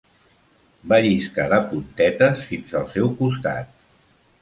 Va lliscar de puntetes fins al seu costat.